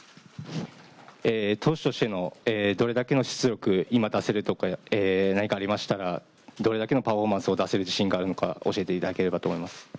投手としてのどれだけの出力、今出せること、ありましたらどれだけのパフォーマンスを出せる自信があるのか、教えていただければと思います。